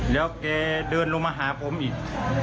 แล้วแกเดินลงมาหาผมอีก